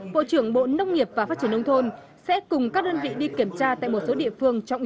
bộ trưởng bộ nông nghiệp và phát triển nông thôn sẽ cùng các đơn vị đi kiểm tra tại một số địa phương trọng